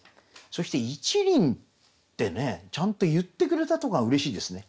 そして「一輪」ってねちゃんと言ってくれたところがうれしいですね。